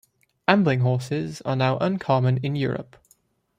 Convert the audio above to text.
Ambling horses are now uncommon in Europe.